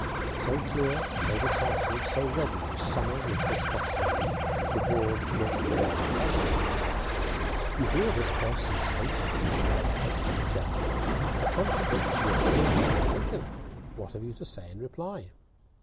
So clear, so decisive, so ready, was Somers with this testimony, that the board looked fairly puzzled. "You hear this person's statement, Mr. Langford," said the chairman. "It contradicts yours in every particular. What have you to say in reply?"